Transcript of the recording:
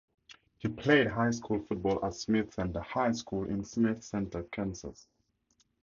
He played high school football at Smith Center High School in Smith Center, Kansas.